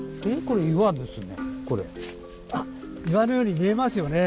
岩のように見えますよね。